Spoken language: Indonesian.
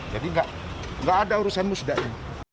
jadi nggak ada urusan musda'in